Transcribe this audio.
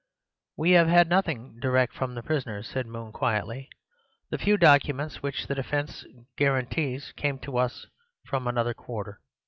"We have had nothing direct from the prisoner," said Moon quietly. "The few documents which the defence guarantees came to us from another quarter."